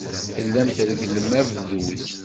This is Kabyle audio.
Tellam tregglem abduz.